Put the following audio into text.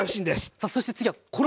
さあそして次は衣。